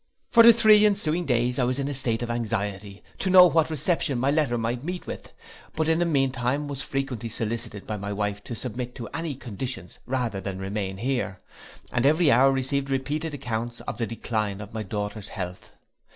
For the three ensuing days I was in a state of anxiety, to know what reception my letter might meet with; but in the mean time was frequently solicited by my wife to submit to any conditions rather than remain here, and every hour received repeated accounts of the decline of my daughter's health.